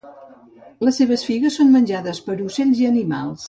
Les seves figues són menjades per ocells i animals.